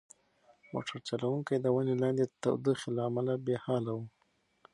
موټر چلونکی د ونې لاندې د تودوخې له امله بې حاله و.